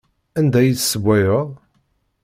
Anda ay tessewwayeḍ?